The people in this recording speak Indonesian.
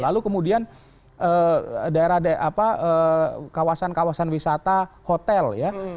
lalu kemudian daerah daerah kawasan kawasan wisata hotel ya